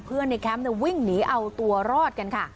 ในแคมป์วิ่งหนีเอาตัวรอดกันค่ะ